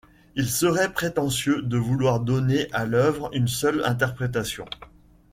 Il serait prétentieux de vouloir donner à l’œuvre une seule interprétation.